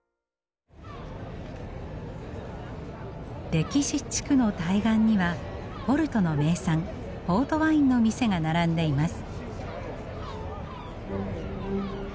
歴史地区の対岸にはポルトの名産ポートワインの店が並んでいます。